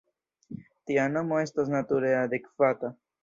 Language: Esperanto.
Tia nomo estos nature adekvata.